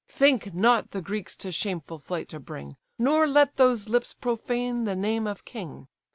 Think not the Greeks to shameful flight to bring, Nor let those lips profane the name of king.